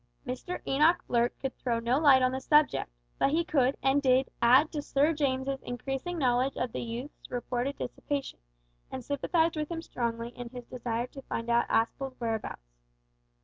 Mr Enoch Blurt could throw no light on the subject, but he could, and did, add to Sir James's increasing knowledge of the youth's reported dissipation, and sympathised with him strongly in his desire to find out Aspel's whereabouts.